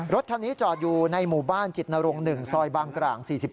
รถคันนี้จอดอยู่ในหมู่บ้านจิตนรงค์๑ซอยบางกร่าง๔๗